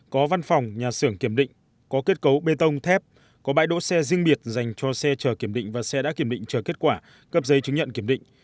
có văn phòng nhà xưởng kiểm định có kết cấu bê tông thép có bãi đỗ xe riêng biệt dành cho xe chờ kiểm định và xe đã kiểm định chờ kết quả cấp giấy chứng nhận kiểm định